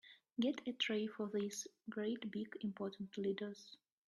Get a tray for these great big important leaders.